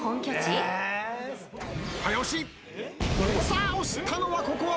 さあ押したのは。